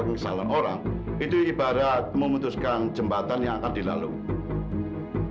mungkin ini yang nama ikatan batin ya pak